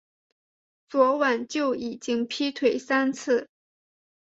昨晚就已经劈腿三次